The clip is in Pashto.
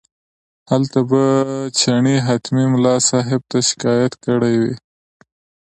هلته به چڼي حتمي ملا صاحب ته شکایت کړی وي.